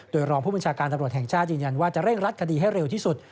โดยรองผู้บัญชาการตำรวจแห่งชาติยืนยันว่าจะเร่งรัดคดีให้เร็วที่สุด